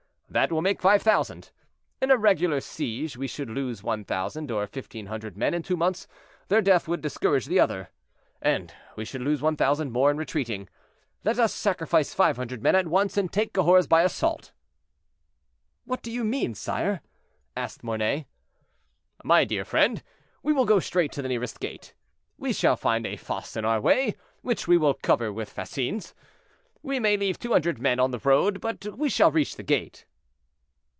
"That will make 5,000. In a regular siege we should lose 1,000 or 1,500 men in two months, their death would discourage the others, and we should lose 1,000 more in retreating. Let us sacrifice 500 men at once, and take Cahors by assault." "What do you mean, sire?" asked Mornay. "My dear friend, we will go straight to the nearest gate. We shall find a fosse in our way, which we will cover with fascines; we may leave two hundred men on the road, but we shall reach the gate."